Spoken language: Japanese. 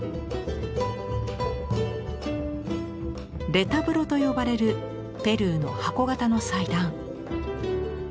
レタブロと呼ばれるぺルーの箱型の祭壇。